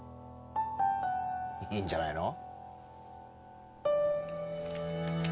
いいんじゃないの？